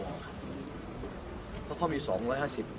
เพราะเขามี๒๕๐เสียงขึ้นไปเนี่ย